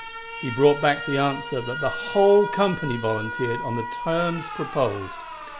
He brought back for answer that the whole company volunteered on the terms proposed.